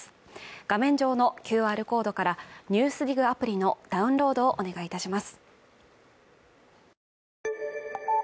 画面上のＱＲコードから「ＮＥＷＳＤＩＧ」アプリのダウンロードをお願いいたします